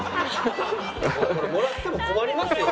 もらっても困りますよ。